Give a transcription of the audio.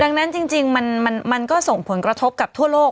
ดังนั้นจริงมันก็ส่งผลกระทบกับทั่วโลก